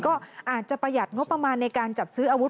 ก็อาจจะประหยัดงบประมาณในการจัดซื้ออาวุธ